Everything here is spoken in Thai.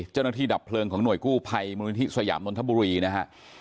เจ้าหน้าที่ดับเผลิงของหน่วยกู้ภัยมูลนิธิสยามนนทบุรีนะฮะ